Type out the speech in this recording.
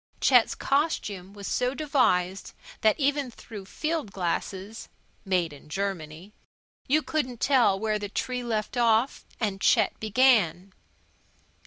Chet's costume was so devised that even through field glasses (made in Germany) you couldn't tell where tree left off and Chet began.